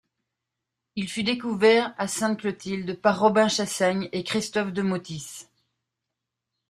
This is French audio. Il fut découvert le à Sainte-Clotilde par Robin Chassagne et Christophe Demeautis.